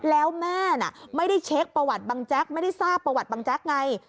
แล้วแม่น่ะไม่ได้เช็คประวัติบังแจ๊กไม่ได้ทราบประวัติบังแจ๊กไง